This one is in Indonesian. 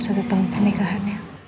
selama satu tahun pernikahannya